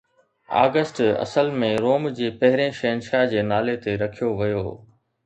August اصل ۾ روم جي پهرين شهنشاهه جي نالي تي رکيو ويو.